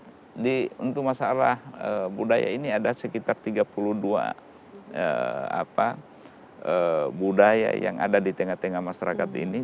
jadi untuk masalah eh budaya ini ada sekitar tiga puluh dua eh apa eh budaya yang ada di tengah tengah masyarakat ini